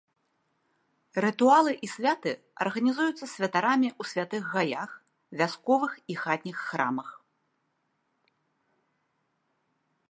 Рытуалы і святы арганізуюцца святарамі ў святых гаях, вясковых і хатніх храмах.